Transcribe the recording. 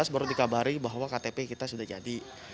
baru dikabari bahwa ktp kita sudah jadi